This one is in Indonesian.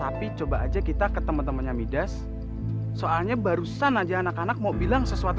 apa pak kades mencari ikut